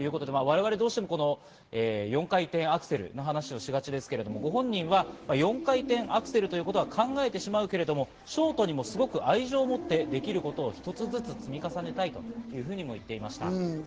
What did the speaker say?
我々どうしても４回転アクセルの話をしがちですけれど、ご本人は４回転アクセルということは、考えてしまうけれどショートにもすごく愛情を持ってできることをひとつずつ積み重ねたいと言っていました。